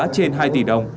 trên hai tỷ đồng